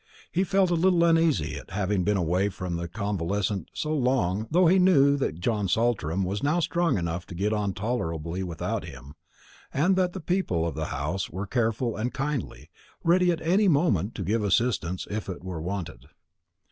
He felt a little uneasy at having been away from the convalescent so long though he knew that John Saltram was now strong enough to get on tolerably without him, and that the people of the house were careful and kindly, ready at any moment to give assistance if it were wanted.